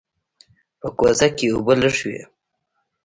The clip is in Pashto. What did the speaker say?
په کوزه کې اوبه لږې وې.